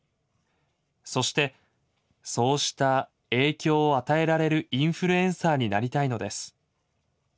そしてそうした影響を与えられるインフルエンサーになりたいのです。